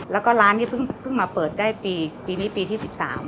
แล้วก็ร้านนี้เพิ่งมาเปิดได้ปีนี้ปีที่๑๓